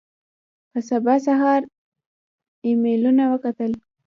په سبا سهار ایمېلونه وکتل.